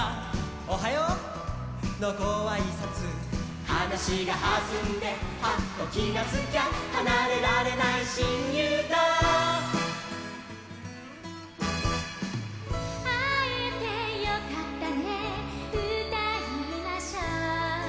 「おはよう！のごあいさつ」「はなしがはずんでハッときがつきゃ」「はなれられないしんゆうだ」「あえてよかったねうたいましょう」